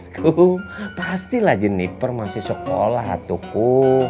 atuku pastilah jeniper masih sekolah atuku